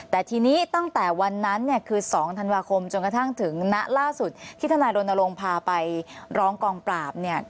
แต่ทีนี้ตั้งแต่วันนั้นเนี่ยคือ๒ธันวาคมจนกระทั่งถึงณล่าสุดที่ทนายรณรงค์พาไปร้องกองปราบเนี่ย